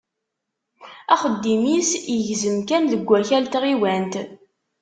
Axeddim-is yegzem kan deg wakal n tɣiwant.